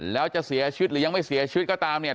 แล้วจะเสียชีวิตหรือยังไม่เสียชีวิตก็ตามเนี่ย